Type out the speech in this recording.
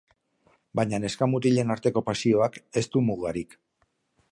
Baina neska-mutilen arteko pasioak ez du mugarik.